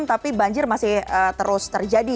tapi banjir masih terus terjadi